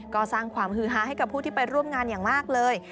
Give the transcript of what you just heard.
ก็สร้างความฮือฮาให้กับผู้ที่ไปร่วมงานอย่างมากเลย